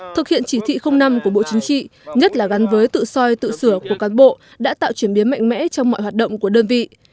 thực hiện chỉ thị năm của bộ chính trị nhất là gắn với tự soi tự sửa của cán bộ đã tạo chuyển biến mạnh mẽ trong mọi hoạt động của đơn vị